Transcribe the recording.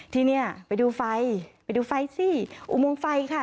ที่เนี่ยไปดูไฟไปดูไฟสิอุโมงไฟค่ะ